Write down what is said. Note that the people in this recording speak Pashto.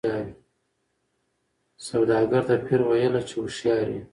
سوداګر ته پیر ویله چي هوښیار یې